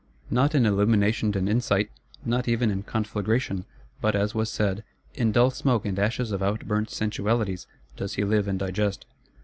Not in illumination and insight, not even in conflagration; but, as was said, "in dull smoke and ashes of outburnt sensualities," does he live and digest.